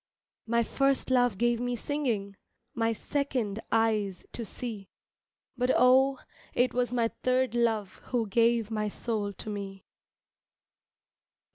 My first love gave me singing, My second eyes to see, But oh, it was my third love Who gave my soul to me.